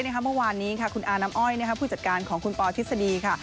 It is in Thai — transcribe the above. เมื่อวานนี้ค่ะคุณอาน้ำอ้อยผู้จัดการของคุณปอทฤษฎีค่ะ